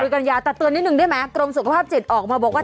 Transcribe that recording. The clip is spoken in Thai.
กัญญาแต่เตือนนิดนึงได้ไหมกรมสุขภาพจิตออกมาบอกว่า